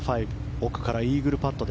奥からイーグルパット。